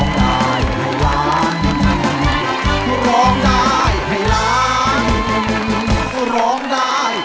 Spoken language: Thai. สวัสดีค่ะ